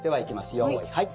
よいはい。